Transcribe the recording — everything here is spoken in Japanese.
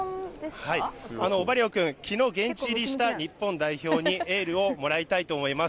オバリオン君、きのう現地入りした日本代表にエールをもらいたいと思います。